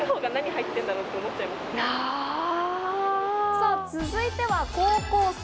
さぁ続いては高校生。